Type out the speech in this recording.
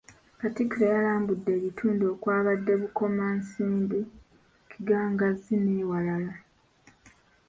Katikkiro yalambudde ebitundu okwabadde Bukomansimbi, Kigangazzi n’ewalala.